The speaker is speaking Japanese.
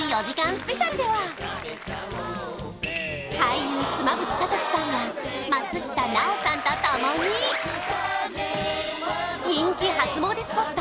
スペシャルでは俳優妻夫木聡さんが松下奈緒さんと共に人気初詣スポット